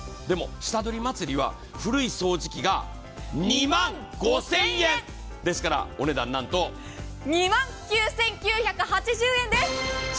でも、下取り祭りは古い掃除機が２万５０００円ですから、お値段なんと２万９９８０円です！